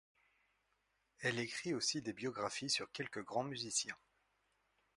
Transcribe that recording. Elle écrit aussi des biographies sur quelque grands musiciens.